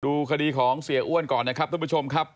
ดูคดีของเสียอ้วนก่อนนะครับทุกผู้ชมครับ